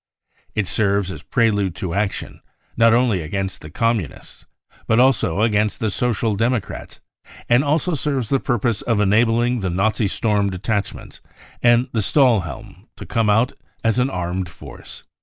It serves as prelude to action not only against the Communists, but also against the Social Democrats, and also serves the purpose of enabling the Nazi Storm / p ^ THE REAL INCENDIARIES 77 , Detachments and 3 the Stahlhelm to come out as an armed force."